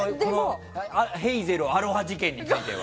ヘイゼルアロハ事件については。